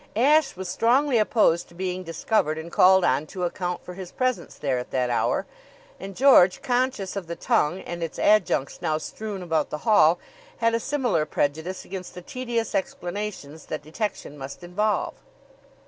Ashe was strongly opposed to being discovered and called on to account for his presence there at that hour; and George, conscious of the tongue and its adjuncts now strewn about the hall, had a similar prejudice against the tedious explanations that detection must involve.